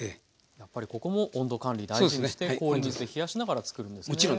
やっぱりここも温度管理大事にして氷水で冷やしながら作るんですね。